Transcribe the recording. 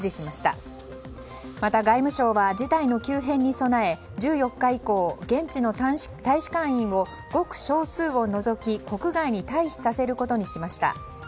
また、外務省は事態の急変に備え１４日以降、現地の大使館員をごく少数を除き国外に退避させることにしました。